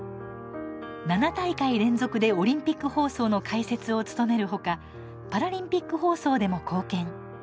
７大会連続でオリンピック放送の解説を務めるほかパラリンピック放送でも貢献。